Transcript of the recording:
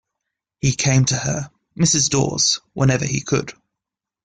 He came to her, Mrs. Dawes, whenever he could.